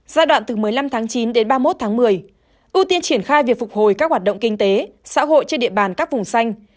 giai đoạn từ một mươi năm tháng chín đến ba mươi một tháng một mươi ưu tiên triển khai việc phục hồi các hoạt động kinh tế xã hội trên địa bàn các vùng xanh